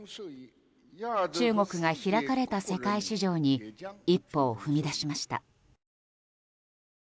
中国が開かれた世界市場に一歩を踏み出しました。